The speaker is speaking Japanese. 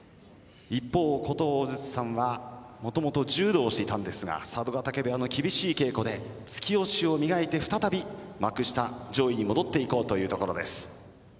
一方琴砲さんはもともと柔道をしていたんですが佐渡ヶ嶽部屋の厳しい稽古で突き押しを磨いて再び幕下上位に戻っていこうというところです。